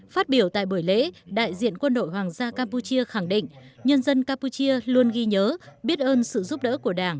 phát biểu tại buổi lễ đại diện quân đội hoàng gia campuchia khẳng định nhân dân campuchia luôn ghi nhớ biết ơn sự giúp đỡ của đảng